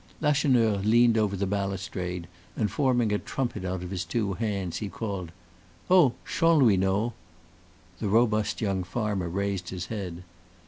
Lacheneur leaned over the balustrade, and, forming a trumpet out of his two hands, he called: "Oh! Chanlouineau!" The robust young farmer raised his head.